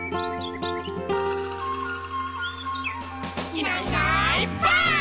「いないいないばあっ！」